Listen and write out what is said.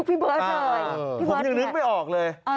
ผมยังนึกไม่ออกเลย